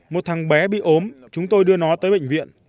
một thằng bé bị ốm chúng tôi đưa nó tới bệnh viện